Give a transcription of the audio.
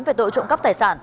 về tội trộm cắp tài sản